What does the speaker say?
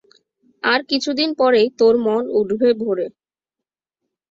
আর কিছুদিন পরেই তোর মন উঠবে ভরে।